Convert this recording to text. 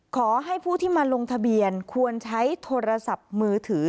ขอให้ผู้ที่มาลงทะเบียนควรใช้โทรศัพท์มือถือ